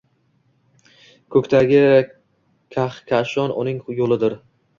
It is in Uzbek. Ko’kdagi Kahkashon uning yo’lidir